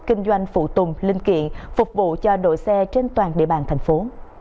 kinh doanh phụ tùng linh kiện phục vụ cho đội xe trên toàn địa bàn thành phố